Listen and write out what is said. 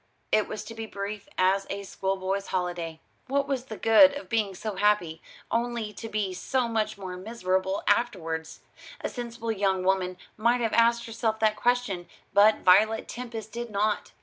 It was to be brief as a schoolboy's holiday. What was the good of being so happy, only to be so much more miserable afterwards? A sensible young woman might have asked herself that question, but Violet Tempest did not.